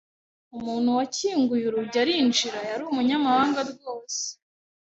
Umuntu wakinguye urugi arinjira yari umunyamahanga rwose.